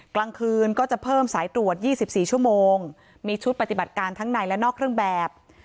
กลางคืนก็จะเพิ่มสายตรวจ๒๔ชั่วโมงมีชุดปฏิบัติการทั้งในและนอกเครื่องแบบ